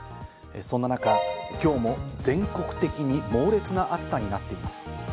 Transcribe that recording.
そんな中、今日も全国的に猛烈な暑さになっています。